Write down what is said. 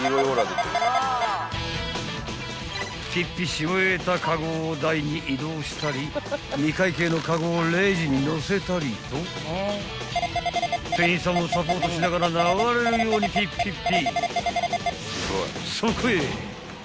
し終えたカゴを台に移動したり未会計のカゴをレジに載せたりと店員さんをサポートしながら流れるようにピッピッピ］